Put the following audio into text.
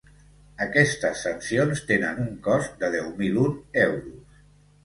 Aquestes sancions tenen un cost de deu mil un euros.